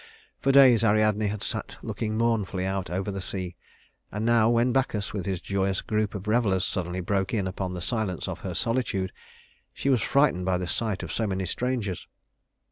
For days Ariadne had sat looking mournfully out over the sea; and now when Bacchus, with his joyous group of revelers, suddenly broke in upon the silence of her solitude, she was frightened by the sight of so many strangers.